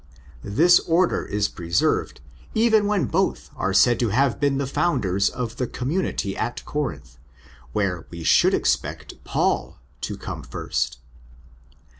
This order is preserved even when both are said to have been the founders of the community at Corinth, where we should expect Paul to come first.